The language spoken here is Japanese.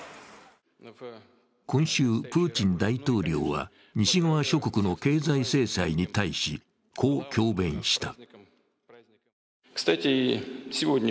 今週、プーチン大統領は西側諸国の経済制裁に対し、こう強弁した。